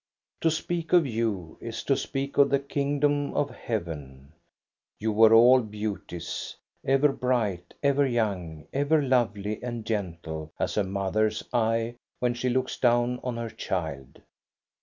To speak of you is to speak of the kingdom of heaven; you were all beauties, ever bright, ever young, ever lovely and gentle as a mother's eyes when she looks down on her child.